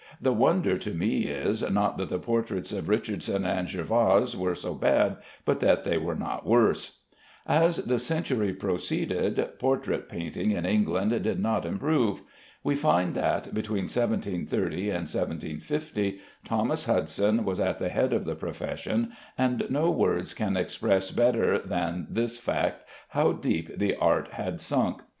The wonder to me is, not that the portraits of Richardson and Jervas are so bad, but that they are not worse. As the century proceeded, portrait painting in England did not improve. We find that, between 1730 and 1750, Thomas Hudson was at the head of the profession, and no words can express better than this fact how deep the art had sunk.